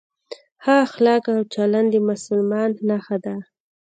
ښه اخلاق او چلند د مسلمان نښه ده.